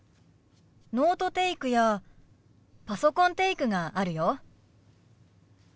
ノートテイクやパソコンテイクがあるよ。